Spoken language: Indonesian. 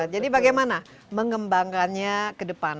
jadi bagaimana mengembangkannya ke depan